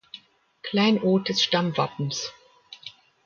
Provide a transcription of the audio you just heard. Kleinod des Stammwappens.